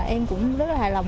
em cũng rất là hài lòng